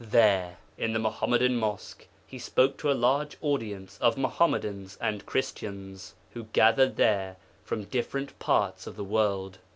There, in the Muhammadan Mosque He spoke to a large audience of Muhammadans and Christians who gathered there from different parts of the world.